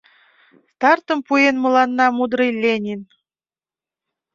Стартым пуэн мыланна мудрый Ленин.